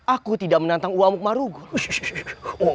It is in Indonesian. aku tidak menentang uamuk marugul